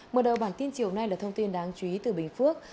mở đầu bản tin chiều nay là thông tin đáng chú ý từ bình phước